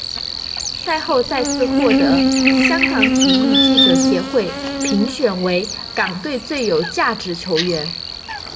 赛后再次获香港体育记者协会评选为港队最有价值球员。